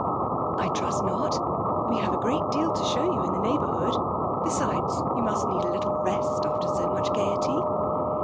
' I trust not ; we have a great deal to show yeu in Che neighbourhood. Besides, you must need: a' little rest after so much gaiety."